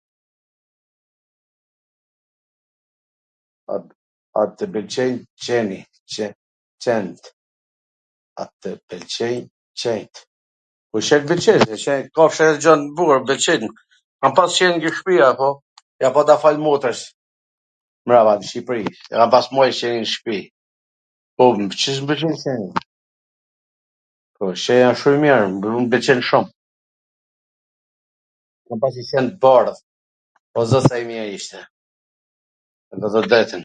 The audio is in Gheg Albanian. a tw pwlqejn qeni, qent? a tw pwlqejn qenjt? Mw pwlqejn qent, kafsht jan gjana t bukra, mw pwlqejn, kam pas qen ke shpija, po ja pata fal motrws, mbrapa, n Shqipri, kam pas motwr qw rri n shpi, po, qeni asht shum i mir, mu m pwlqen shum... Kam pas njw qen t bardh, o zot sa i mir ishte, me t thwn t drejtwn.